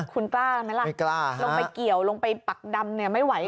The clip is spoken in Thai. คุณกล้าไหมล่ะลงไปเกี่ยวลงไปปักดำไม่ไหว